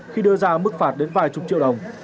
khi đưa ra mức phạt đến vài chục triệu đồng